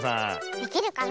できるかな。